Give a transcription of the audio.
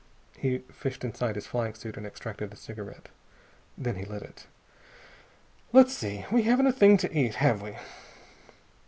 He fished inside his flying suit and extracted a cigarette. Then he lit it. "Let's see.... We haven't a thing to eat, have we?"